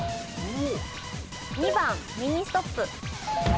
２番ミニストップ。